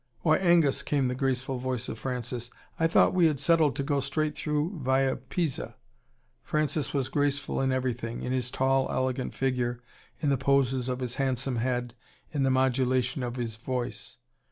"Why, Angus," came the graceful voice of Francis, "I thought we had settled to go straight through via Pisa." Francis was graceful in everything in his tall, elegant figure, in the poses of his handsome head, in the modulation of his voice.